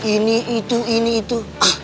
ini itu ini itu